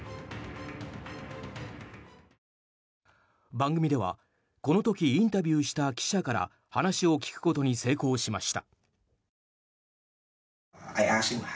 番組では、この時インタビューした記者から話を聞くことに成功しました。